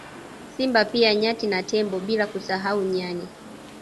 Simba pia nyati na tembo bila kusahau nyani